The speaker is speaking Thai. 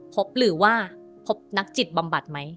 พบหรือว่าพบนักจิตบำบัดไหม